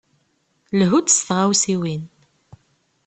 Lhu-d s tɣawsiwin.